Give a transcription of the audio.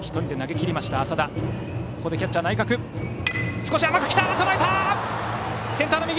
少し甘く来て、とらえた！